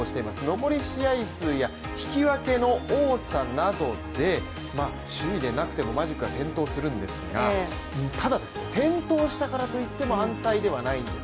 残り試合数や引き分けの多さなどで首位でなくてもマジックは点灯するんですがただですね、点灯したからといっても安泰ではないんです